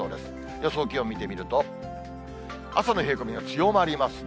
予想気温見てみると、朝の冷え込みは強まりますね。